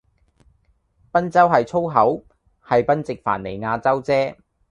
賓州係粗口？係賓夕凡尼亞州唧